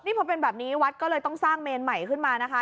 นี่พอเป็นแบบนี้วัดก็เลยต้องสร้างเมนใหม่ขึ้นมานะคะ